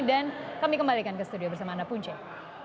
dan kami kembalikan ke studio bersama anda pooncheng